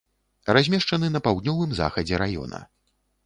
Размешчаны на паўднёвым захадзе раёна.